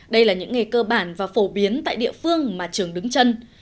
đây là những nghề cơ bản và phổ biến tại địa phương mà trường đứng chân